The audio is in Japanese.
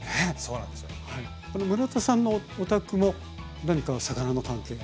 村田さんのお宅も何かの魚の関係が？